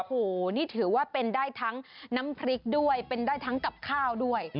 โอ้โหนี่ถือว่าเป็นได้ทั้งน้ำพริกด้วยเป็นได้ทั้งกับข้าวด้วย